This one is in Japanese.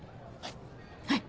はい。